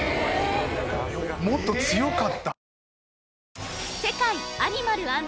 もっと強かった。